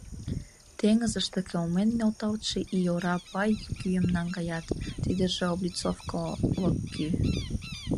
Теҥызыште кылмен нӧлталтше ий ора пай кӱым наҥгаят, тидыже облицовкылык кӱ.